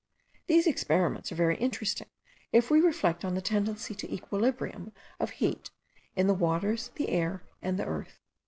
These experiments are very interesting, if we reflect on the tendency to equilibrium of heat, in the waters, the air, and the earth.